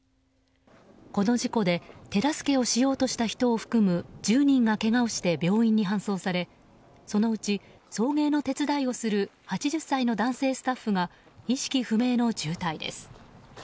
この事故で手助けをしようとした人を含む１０人がけがをして病院に搬送されそのうち送迎の手伝いをする８０歳の男性スタッフが意識不明の重体です。